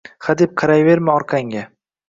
Hadeb qarayverma orqangga.